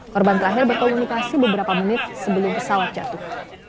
korban terakhir berkomunikasi beberapa menit sebelum pesawat jatuh